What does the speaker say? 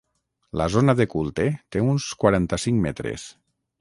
La zona de culte té uns quaranta-cinc metres.